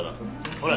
ほら！